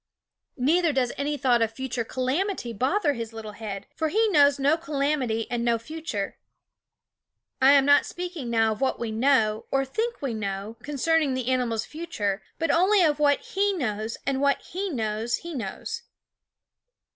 Neither does any thought of future calamity bother his little head, for he knows THE WOODS *9 no calamity and no future. I am not speak ing now of what we know, or think we know, concerning the animal's future; but only jfi e (?/ ao f some of what he knows, and what he knows he knows.